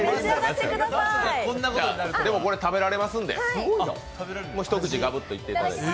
でも、これ、食べられますんで、一口、ガブッといっていただいて。